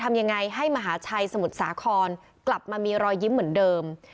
ทำยังไงให้มหาชัยสมุทรสาครกลับมามีรอยยิ้มเหมือนเดิม